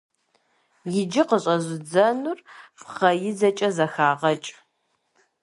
Иджы къыщӀэзыдзэнур пхъэидзэкӀэ зэхагъэкӀ.